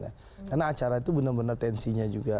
karena acara itu benar benar tensinya juga